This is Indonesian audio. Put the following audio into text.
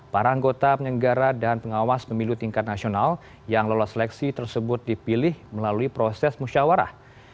para anggota penyelenggara dan pengawas pemilu tingkat nasional yang lolos seleksi tersebut dipilih melalui proses musyawarah